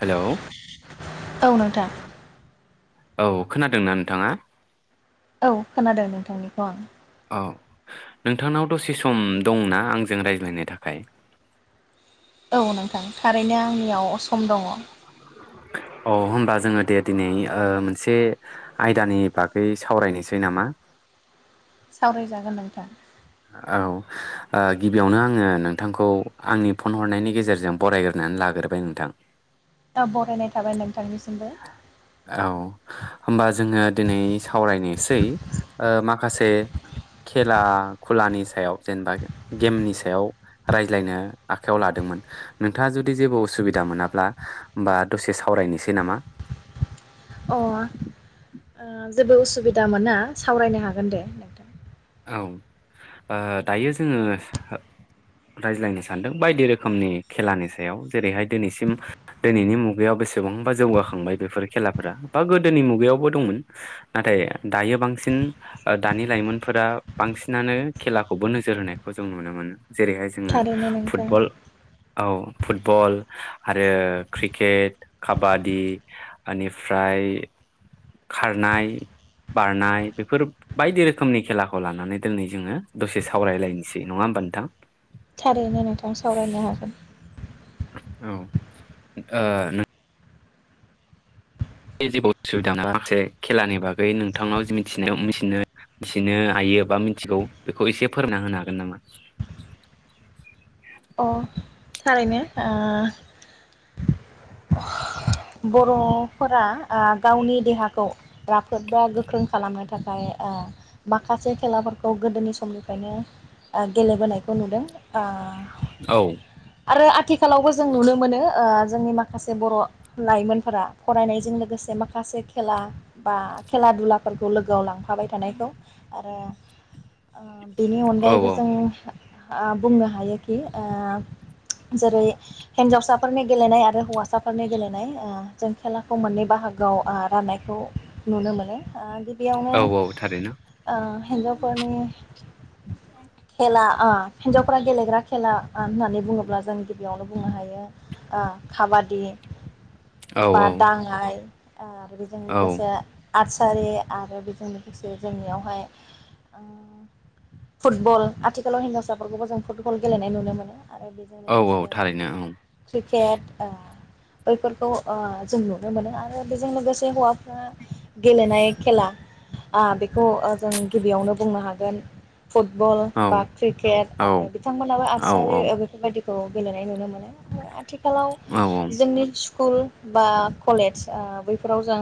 Hello औ औ नोंथां। औ खोनादोंना नोंथाङा? औ खोनादों नोंथांनिखौ आं औ नोंथांनाव दसे सम दंना आंजों रायज्लायनो थाखाय औ नोंथां थारैनो आंनियाव सम दङ। अ होमबा जोङो दे दिनै मोनसे आयदानि बागै सावरायनोसै नामा? सावरायजागोन नोंथां। औ गिबियावनो आङो नोंथांखौ आंनि फन हरनायनि गेजेरजों बरायग्रोनानै लाग्रोबाय नोंथां। औ बरायनाय थाबाय नोंथांनिसिम। औ होमबा जोङो दिनै सावरायनोसै माखासे खेला खुलानि सायाव जेनेबा गेमनि सायाव रायज्लायनो आखाइायाव लादोंमोन नोंथाङा जुदि जेबो उसुबिदा मोनाब्ला होमबा दसे सावरायनोसै नामा? अ जेबो उसुबिदा मोना सावरायनो हागोन दे नोंथां। औ दायो जोङो रायज्लायनो सानदों बायदि रोखोमनि खेलानि सायाव जेरैहाय दिनैसिम दिनैनि मुगायाव बेसेबांबा जौगाखांबाय बेफोर खेलाफोरा बा गोदोनि मुगायावबो दंमोन नाथाय दायो बांसिन दानि लाइमोन। फोरा बांसिनानो खेलाखौबो नोजोर होनायखौ जों नुनो मोनो। जेरैहाय जोङो थारैनो नोंथां फुटबल औ फुटबल आरो क्रिकेट काबादि बेनिफ्राय खारनाय बारनाय बेफोर बायदि रोखोमनि खेलाखौ लानानै दिनै जोङो दसे सावरायलायनोसै नङा होमबा नोंथां? थारैनो नोंथां सावरायनो हागोन। औ ओ जेबो असुबिदा मोनाबा खेलानि बागै नोंथांनाव जि मिथिनाय मिथिनो हायो बा मिथिगौ बेखौ एसे फोरोंना होनो हागोन नामा? अ थारैनो बर'फोरा गावनि देहाखौ राफोद बा गोख्रों खालामनो थाखाय माखासे खेलाफोरखौ गोदोनि समनिफ्रायनो गेलेबोनायखौ नुदों। औ आरो आथिखालावबो जों नुनो मोनो जोंनि माखासे बर' लाइमोनफोरा फरायनायजों लोगोसे माखासे खेला बा खेला दुलाफोरखौ लोगोआव लांफा। थाबाय थानायखौ आरो बेनि औ अनगायैबो जों बुंनो हायो। जेरै हिन्जावसाफोरनि गेलेनाय आरो हौवासाफोरनि गेलेनाय जों खेलाखौ मोननै बाहागोआव राननायखौ नुनो मोनो। बेयावनो औ औ थारैनो हिन्जावफोरनि खेला हिन्जावफ्रा गेलेग्रा खेला होननानै बुङोब्ला जों गिबियावनो बुंनो हायो काबादि औ बा औ बाङाय बेजों औ लोगोसे आरचारि आरो बेजों लोगोसे जोंनियावहाय फुटबल आथिखालाव हिनजावसाफोरखौबो जों फुटबल गेलेनाय नुनो मोनो। आरो बेजों औ औ लोगोसे थारैनो औ क्रिकेट बैफोरखौ जों नुनो मोनो आरो बेजों लोगोसे हौवा गेलेनाय खेला बेखौ जों गिबियावनो बुंनो हागोन। फुटबल औ बा क्रिकेट औ आरो बिदि नोंथां मोनाबो औ आसार औ बेफोर बाय‌ दिखौ गेलेनाय नुनो मोनो आरो आथिखालाव औ जोंनि स्कुल बा कलेज अ बैफोराव जों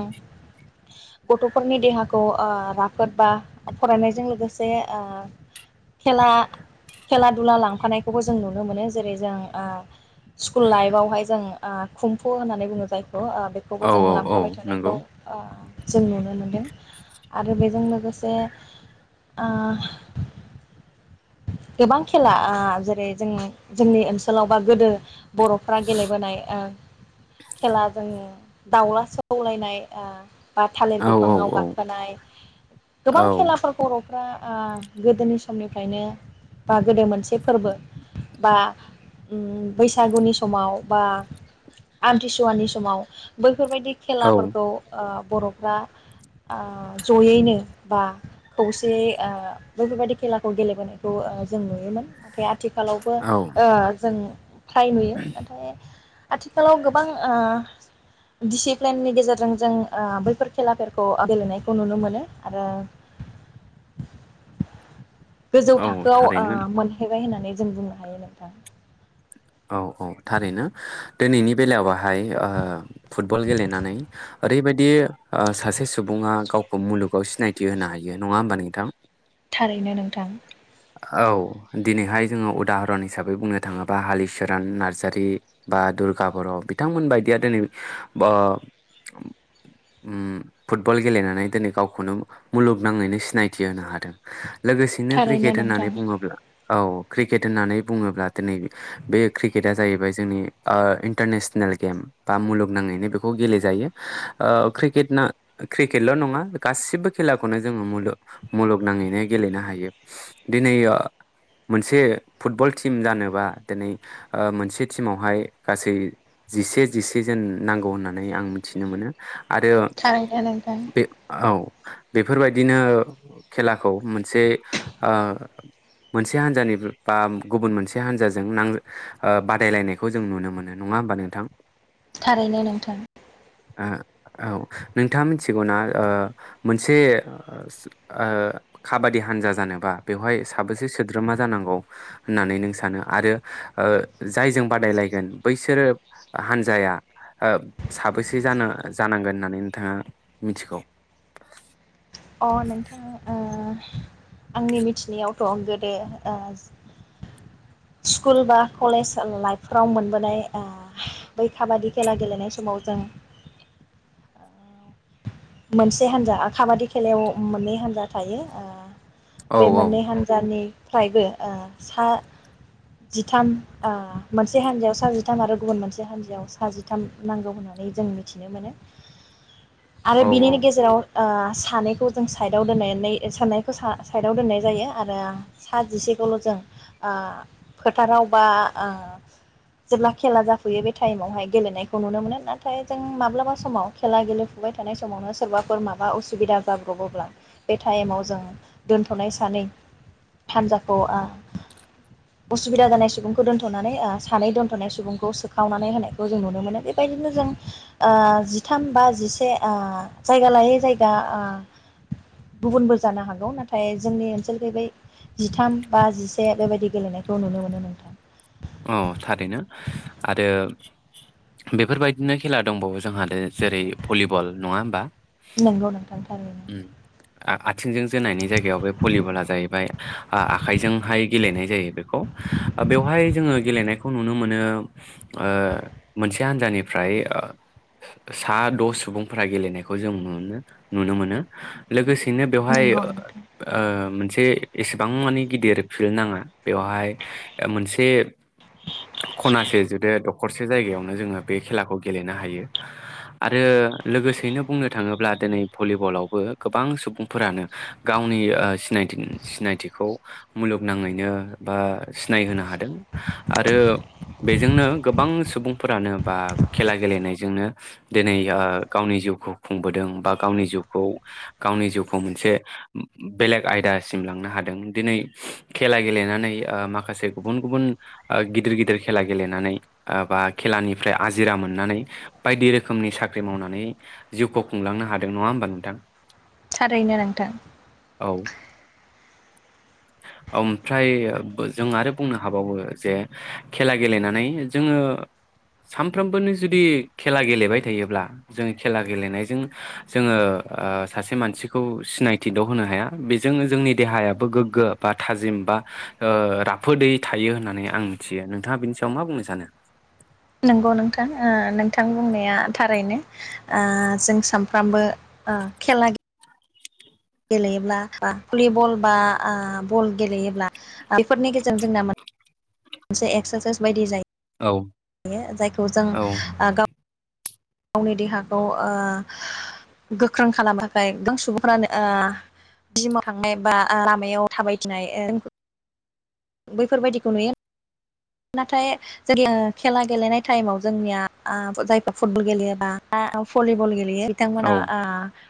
गथ'फोरनि देहाखौ अ राफोद बा फरायनायजों लोगोसे अ खेला खेला थुला लांफानायखौबो जों नुनो मोनो जेरै जों अ स्कुल लाइफआवहाय जों अ खुम्फु होननानै बुङो जाय खौ अ बेखौबो औ जों औ औ लांफाबाय थानायखौ नंगौ अ जों नुनो मोनदों आरो बेजों लोगोसे अ गोबां खेला आ जेरै जों जोंनि ओनसोलाव बा गोदो बर'फ्रा गेलेबोनाय ओ खेला जोङो दाउला सौलायनाय ओ बा थालिर औ बिफाङाव गाखोनाय गोबां खेलाफोरखौ बर' फ्रा आ गोदोनि समनिफ्रायनो बा गोदो मोनसे फोरबो बा उम बैसागुनि समाव बा आमथिसुवानि समाव बै फोरबायदि औ खेलाफोरखौ ओ बर'फ्रा आ जयैनो बा खौसेै अ बेैफोरबायदि खेलाखौ गेलेबोनायखौ ओ जों नुयोमोन नाथाय आथिखालावबो औ ओ जों फ्राय नुयो नाथाय आथिखालाव गोबां आ दिसिप्लिननि गेजेरजों जों आ बैफोर खेलाफोरखौ गेलेनायखौ नुनो मोनो आरो गोजौ औ थाखोआव आ थारैनो मोनहै बाय होननानै जों बुंनो हायो नोंथां औ औ थारैनो दिनैनि बेलायावाहाय ओ फुटबल गेलेनानै ओरैबायदि अ सासे सुबुङा गावखौ मुलुगाव सिनायथि होनो हायो नङा होमबा नोंथां थारैनो नोंथां औ दिनैहाय जोङो उदाहरन हिसाबै बुंनो थाङोबा हालिचरन नार्जारि बा दुर्गा बर' बिथांमोन बायदिया दिनै ब ओ उ फुटबल गेलेनानै दिनै गावखौनो मुलुगनाङैनो सिनायथि होनो हादों लोगोसे थारैनो क्रिकेट होननानै नोंथां बुङोब्ला औ क्रिकेट होननानै बुङोब्ला दिनै बे क्रिकेटआ जाहैबाय जोंनि अ इन्टारनेसनेल गेम बा मुलुगनाङैनो बेखौ गेलेजायो अ क्रिकेटना क्रिकेटल' नङा गासिबो खेलाखौनो जोङो मुलुग मुलुगनाङैनो गेलेनो हायो दिनै अ मोनसे फुटबल टिम जानोबा दिनै अ मोनसे टिमावहाय गासै जिसे जिसे जोन नांगौ होननानै आं मिथिनो मोनो आरो थारैनो नोंथां बे औ बेफोरबायदिनो खेलाखौ मोनसे आ मोनसे हानजानि बा गुबुन मोनसे हानजाजों नां अ बादायलायनायखौ जों नुनो मोनो नङा होमबा नोंथां थारैनो नोंथां ओ औ नोंथाङा मिथिगौना ओ मोनसे ओ काबादि हान्जा जानो बा बेवहाय साबेसे सोद्रोमा जानांगौ होननानै नों सानो आरो ओ जायजों बादायलायगोन बैसोरो हान्जाया ओ साबेसे जानो जानांगोन होननानै नोंथाङा मिथिगौ अ नोंथा ओ आंनि मिथिनायावथ' गोदो ओ स्कुल बा कलेज लाइफफोराव मोनबोनाय ओ बै काबादि खेला गेलेनाय समाव जों मोनसे हान्जा ओ काबादि खेलायाव मोननै हान्जा थायो ओ औ बे औ मोननै हान्जानि फ्रायबो ओ सा जिथाम ओ मोनसे हान्जायाव सा जिथाम आरो गुबुन मोनसे हान्जायाव सा जिथाम नांगौ होननानै जों मिथिनो मोनो आरो औ बिनिनि औ गेजेराव ओ सानैखौ जों साइडआव दोननानै सानायखौ सा साइडआव दोननाय जायो आरो सा जिसेखौल' ओ जों फोथाराव बा जेब्ला खेला जाफैयो बे टाइमावहाय गेलेनायखौ नुनो मोनो नाथाय जों माब्लाबा समाव खेला गेलेफुबाय था थानाय समावनो सोरबाफोर माबा उसुबिदा जाब्रबोब्ला बे टाइमाव जों दोन्थ'नाय सानै हानजाखौ ओ उसुबिदा जानाय सुबुंखौ दोन्थ'नानै सानै दोन्थ'नाय सुबुंखौ सोखावनानै होनायखौ जों नुनो मोनो बेबायदिनो जों ओ जिथाम बा जिसे ओ जायगा लायै जायगा ओ गुबुनबो जानो हागौ नाथाय जोंनि ओनसोल फैबाय जिथाम बा जिसे बेबायदि गेलेनायखौ नुनो मोनो नोंथां औ थारैनो आरो बेफोरबायदिनो खेला दंबावो जोंहा ओ जेरै भलिबल नङा होमबा नोंगौ नोथां थारैनो उम आ आथिंजों जोनायनि जायगायाव बे भलिबला जाहैबाय आखायजोंहाय गेलेनाय जायो बे खौ बेवहाय गेलेनायखौ नुनो मोनो ओ मोनसे हान्जानिफ्राय ओ सा द' सुबुंफोरा गेलेनायखौ जों नुनो मोनो लोगोसे बिनि बेवहाय नंगौ नोंथां ओ मोनसे एसेबां माने गिदिर फिल्ड नाङा बेवहाय मोनसे खनासे जुदि दखरसे जायगायावनो जोङो बे खेलाखौ गेलेनो हायो आरो लोगोसेयैनो बुंनो थाङोब्ला दिनै भलिबलावबो गोबां सुबुंफोरानो गावनि ओ सिनाय सिनायथिखौ मुलुगनाङैनो बा सिनायहोनो हादों आरो बेजोंनो गोबां सुबुंफोरानो बा खेला गेलेनायजोंनो दिनै ओ गावनि जिउखौ खुंबोदों बा गावनि जिउखौ गावनि जिउखौ मोनसे बेलेग आयदासिम लांनो हादों दिनै खेला गेलेनानै ओ माखासे गुबुन गुबुन आ गिदिर गिदिर खेला गेलेनानै आ बा खेलानिफ्राय आजिरा मोननानै बायदि रोखोमनि साख्रि मावनानै जिउखौ खुंलांनो हादों नङा होमबा नोंथां थारैनो नोंथां औ ओमफ्राय जों आरो बुंनो हाबावो जे खेला गेलेनानै जोङो सानफ्रोमबोनो जुदि खेला गेलेबाय थायोब्ला जों खेला गेलेनायजों जोङो ओ सासे मानसिखौ सिनायथि द' होनो हाया बेजों जोंनि देहायाबो गोग्गो बा थाजिम बा ओ राफोदै थायो होननानै आं मिथियो नोंथाङा बिनि सायाव मा बुंनो सानो नोंगौ नोंथां नोंथां बुंनाया थारैनो ओ जों सानफ्रोमबो खेला गेलेयोब्ला भलिबल बा ओ बल गेलेयोब्ला बेफोरनि गेजेरजों जोंना मोनसे एक्सारसाइस बायदि औ जायो यो जायखौ जों औ गाव गावनि देहाखौ ओ गोख्रों खालामनो थाखाय गां सुबुंफ्रानो ओ जिमाव थांनाय ओ बा लामायाव थाबायथिनाय ओ बैफोरबायदिखौ नुयो नाथाय जोंनि खेला गेलेनाय टाइमाव जोंनिया ओ जायफोर फुटबल गेलेयोबा भलिबल गेलेयो गेलेयो बिथांमोना औ ओ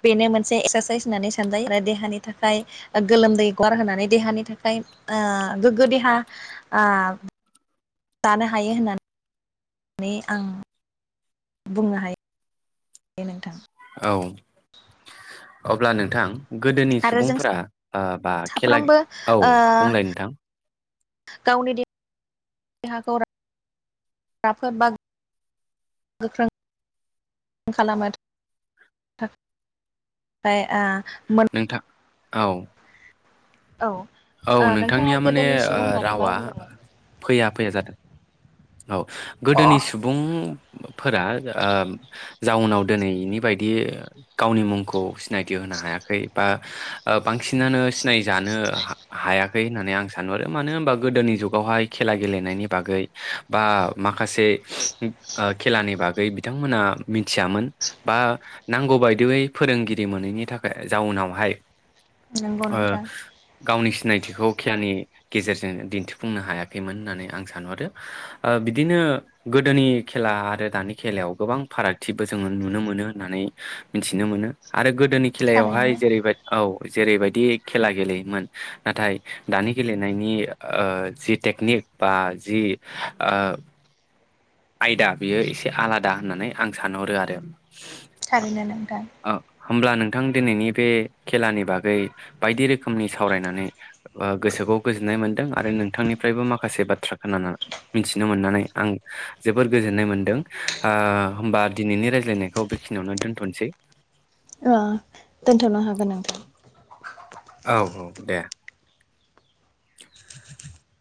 बेनो मोनसे एक्सारसाइस होननानै सानजायो आरो देहानि थाखाय गोलोमदै गगार होनानै देहानि थाखाय ओ गोग्गो देहा ओ जानो हायो होननानै आं बुंनो हायो दे नोंथां औ अब्ला नोंथां गोदोनि आरो जों सुबुंफोरा बा खेला साफ्रोमबो औ ओ बुंलाय नोंथां गावनि देहाखौ राफोद बा गोख्रों खालामनो [unintelligible] आ मोन नोंथां औ औ ओ नोंथाङा नोंथांनिया माने गोदोनि सुबुं होननानै मा रावा बुंदोंमोन? फैया फैया जादों औ अ गोदोनि सुबुं फोरा जाउनाव दिनैनि बायदि गावनि मुंखौ सिनायथि होनो हायाखै बा बांसिनानो सिनायजानो हायाखै होननानै आं सानो आरो मानो होनबा गोदोनि जुगावहाय खेला गेलेनायनि बागै बा माखासे खेलानि बागै बिथांमोना मिथियामोन बा नांगौ बायदियै फोरोंगिरि मोनैनि थाखाय जाउनावहाय नंगौ नोंथां आंनि सिनायथिखौ खेलानि गेजेरजों दिन्थिफुंनो हायाखैमोन होननानै आं सानहरो बिदिनो गोदोनि खेला आरो दानि खेलायाव गोबां फारागथिबो जोङो नुनो मोनो होननानै मिथिनो मोनो आरो गोदो गोदोनि थारैनो खेलायावहाय जेरैबायदि औ जेरैबायदि खेला गेलेयोमोन नाथाय दानि गेलेनायनि जि टेकनिक बा जि आयदा बियो एसे आलादा होननानै आं सानहरो आरो थारैनो नोंथां ओ होमब्ला नोंथां दिनैनि बे खेलानि बागै बायदि रोखोमनि सावरायनानै गोसोखौ गोजोननाय मोन्दों आरो नोंथांनिफ्रायबो माखासे बाथ्रा खोनानानै मिथिनो मोननानै आं जोबोर गोजोननाय मोनदों होमबा दिनैनि रायज्लायनायखौ बेखिनियावनो दोनथ'सै दोनथ'नो हागोन नोंथां औ औ दे